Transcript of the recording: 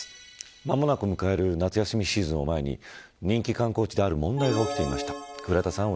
間もなく迎える夏休みシーズンを前に人気観光地で、ある問題が起きていました。